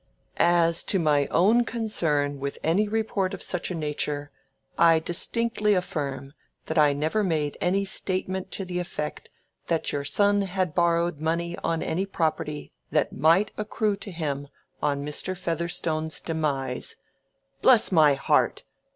—_As to my own concern with any report of such a nature, I distinctly affirm that I never made any statement to the effect that your son had borrowed money on any property that might accrue to him on Mr. Featherstone's demise_—bless my heart!